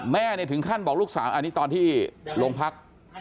แม่ถึงขั้นบอกลูกสาวอันนี้ตอนที่โรงพัก